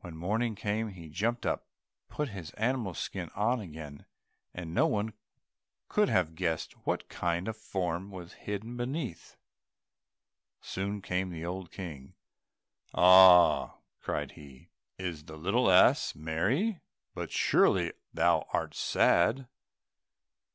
When morning came, he jumped up, put his animal's skin on again, and no one could have guessed what kind of a form was hidden beneath it. Soon came the old King, "Ah," cried he, "is the little ass merry? But surely thou art sad?"